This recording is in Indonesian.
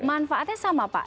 manfaatnya sama pak